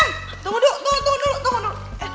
emang tunggu dulu tunggu dulu tunggu dulu